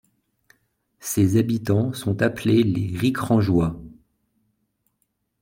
Ses habitants sont appelés les Ricrangeois.